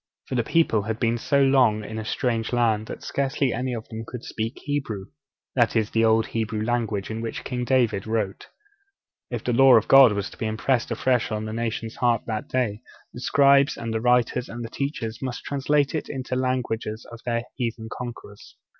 For the people had been so long in a strange land that scarcely any of them could speak Hebrew; that is, the old Hebrew language in which King David wrote. If the Law of God was to be impressed afresh on the nation's heart that day, the scribes, the writers and the teachers must translate it into the language of their heathen conquerors.